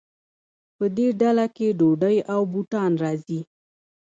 په دې ډله کې ډوډۍ او بوټان راځي.